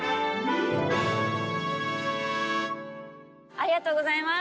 ありがとうございます。